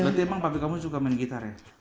berarti emang pakai kamu suka main gitar ya